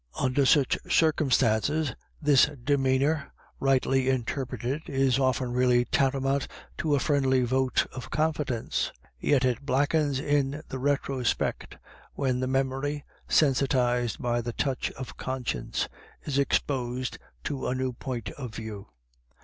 Under such circumstances, this de meanour, rightly interpreted, is often really tantamount to a friendly vote of confidence ; yet it blackens in the retrospect when the memory, sensitised by the touch of . conscience, is exposed to a new point of view.